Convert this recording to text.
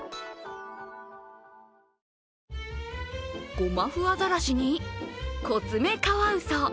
ゴマフアザラシにコツメカワウソ。